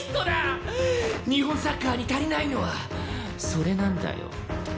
日本サッカーに足りないのはそれなんだよ。